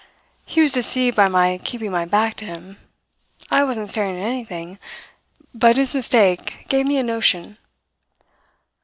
"He was deceived by my keeping my back to him. I wasn't staring at anything, but his mistake gave me a notion.